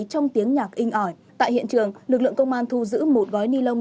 trong tiếng nhạc in ỏi tại hiện trường lực lượng công an thu giữ một gói ni lông